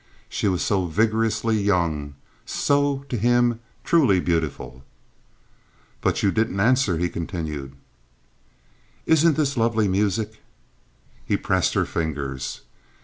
She was so vigorously young, so, to him, truly beautiful. "But you didn't answer," he continued. "Isn't this lovely music?" He pressed her fingers.